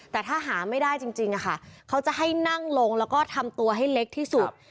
แต่ถ้าหาไม่ได้จริงเขาจะให้นั่งลงแล้วก็ทำตัวให้เล็กที่สุด